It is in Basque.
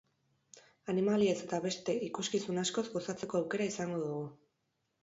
Animaliez eta beste ikuskizun askoz gozatzeko aukera izango dugu.